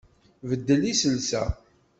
Beddel iselsa!